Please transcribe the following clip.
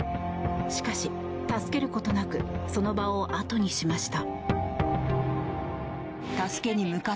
しかし、助けることなくその場を後にしました。